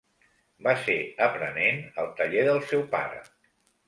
Va ser aprenent al taller del seu pare.